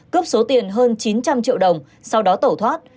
cướp số tiền hơn chín trăm linh triệu đồng sau đó tẩu thoát